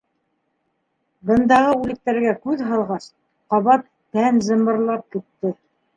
Бындағы үлектәргә күҙ һалғас, ҡабат тән зымбырлап китте.